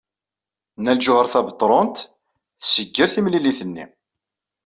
Nna Lǧuheṛ Tabetṛunt tsegger timlilit-nni.